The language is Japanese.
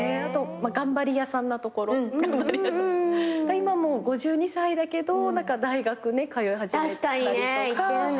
今５２歳だけど大学通い始めたりとか。